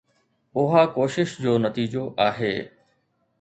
اها ڪوشش جو نتيجو آهي.